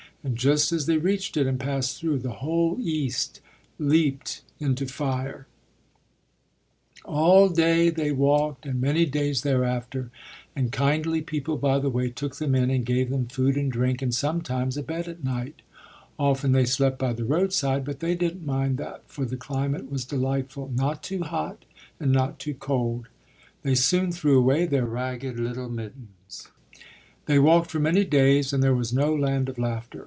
And just as they reached it and passed through, the whole east leapt into fire. [Illustration: The Land of Laughter] All day they walked, and many days thereafter; and kindly people, by the way, took them in and gave them food and drink and sometimes a bed at night. Often they slept by the roadside; but they didn't mind that for the climate was delightful not too hot, and not too cold. They soon threw away their ragged little mittens. They walked for many days; and there was no Land of Laughter.